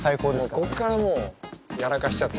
もうこっからもうやらかしちゃってるから。